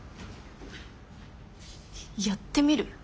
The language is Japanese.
やってみる？